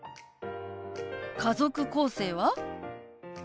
家族構成は？